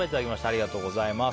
ありがとうございます。